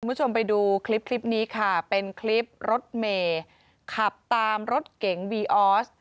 คุณผู้ชมไปดูคลิปคลิปนี้ค่ะเป็นคลิปรถเมย์ขับตามรถเก๋งวีออส